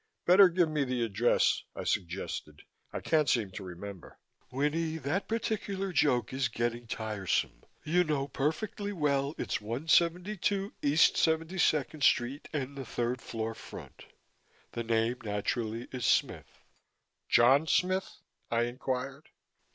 "Better give me the address," I suggested. "I can't seem to remember." "Winnie, that particular joke is getting tiresome. You know perfectly well it's 172 East 72nd Street and the third floor front. The name, naturally, is Smith." "John Smith?" I inquired.